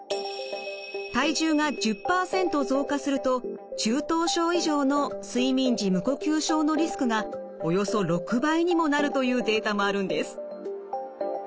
体重が１０％増加すると中等症以上の睡眠時無呼吸症のリスクがおよそ６倍にもなるというデータもあるんです。